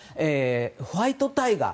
ホワイトタイガー